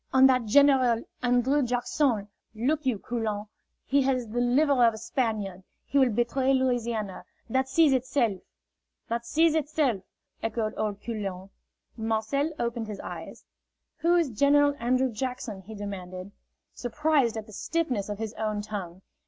"And that General An drrew Jack son, look you, Coulon, he has the liver of a Spaniard. He will betray Louisiana. That sees itself!" "That sees itself," echoed old Coulon. Marcel opened his eyes. "Who is General Andrew Jackson?" he demanded, surprised at the stiffness of his own tongue.